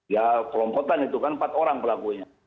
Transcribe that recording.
ya kelompokan itu kan empat orang pelakunya